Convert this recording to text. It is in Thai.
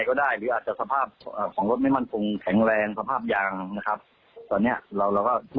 ครับผมคนขับนี้อายุ๓ที่๗ล่ะครับท่านใช่ไหมครับ